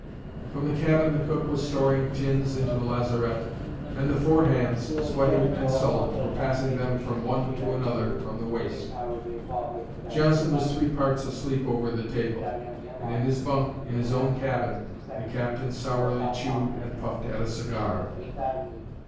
From the cabin the cook was storing tins into the lazarette, and the four hands, sweaty and sullen, were passing them from one to another from the waist. Johnson was three parts asleep over the table; and in his bunk, in his own cabin, the captain sourly chewed and puffed at a cigar.